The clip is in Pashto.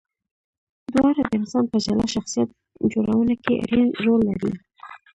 دواړه د انسان په جلا شخصیت جوړونه کې اړین رول لري.